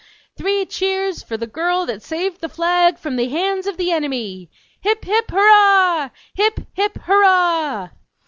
"Three cheers for the girl that saved the flag from the hands of the enemy!" "HIP, HIP, HURRAH! HIP, HIP, HURRAH!"